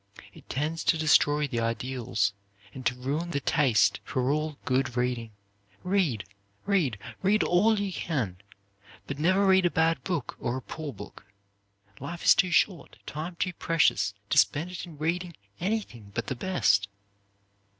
It tends to destroy the ideals and to ruin the taste for all good reading. Read, read, read all you can. But never read a bad book or a poor book. Life is too short, time too precious, to spend it in reading anything but the best.